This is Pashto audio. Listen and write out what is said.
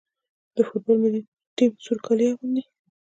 د فوټبال ملي ټیم سور کالي اغوندي.